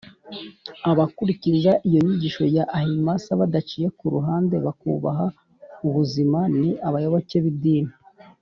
abakurikiza iyo nyigisho ya ahimsa badaciye ku ruhande bakubaha ubuzima ni abayoboke b’idini